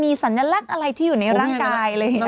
สัญลักษณ์อะไรที่อยู่ในร่างกายอะไรอย่างนี้